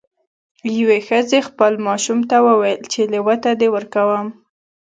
یوې ښځې خپل ماشوم ته وویل چې لیوه ته دې ورکوم.